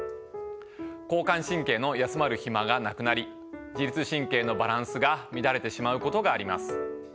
交感神経の休まる暇がなくなり自律神経のバランスが乱れてしまうことがあります。